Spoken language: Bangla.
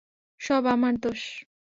সব আমার দোষ।